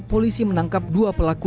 polisi menangkap dua pelaku